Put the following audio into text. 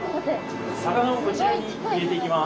魚をこちらに入れていきます。